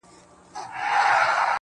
کلونه کيږي چي هغه پر دې کوڅې نه راځي_